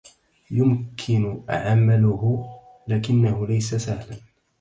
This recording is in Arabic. يمكن عمله، لكنه ليس سهلا.